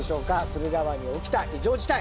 駿河湾に起きた異常事態！